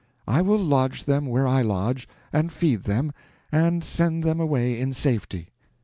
I will lodge them where I lodge, and feed them, and sent them away in safety."